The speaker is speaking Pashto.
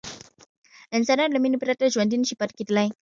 انسانان له مینې پرته ژوندي نه شي پاتې کېدلی.